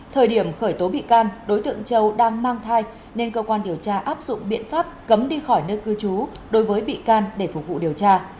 thời điểm khởi tố bị can đối tượng châu đang mang thai nên cơ quan điều tra áp dụng biện pháp cấm đi khỏi nơi cư trú đối với bị can để phục vụ điều tra